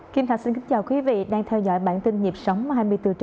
kim thạch xin kính chào quý vị đang theo dõi bản tin nhịp sóng hai mươi bốn h bảy